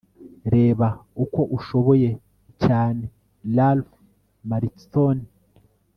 reba uko ushoboye cyane. - ralph marston